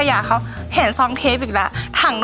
แล้วเขาจะแอดมาก